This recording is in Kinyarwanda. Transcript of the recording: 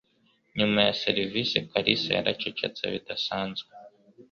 Nyuma ya serivisi, Kalisa yaracecetse bidasanzwe.